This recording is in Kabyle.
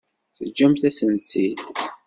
Teǧǧamt-asen-tt-id?